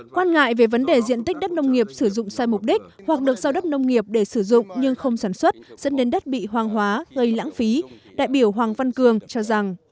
quan ngại về vấn đề diện tích đất nông nghiệp sử dụng sai mục đích hoặc được giao đất nông nghiệp để sử dụng nhưng không sản xuất dẫn đến đất bị hoang hóa gây lãng phí đại biểu hoàng văn cường cho rằng